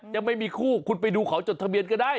ยังไม่มีคู่คุณไปดูเขาจดทะเบียนก็ได้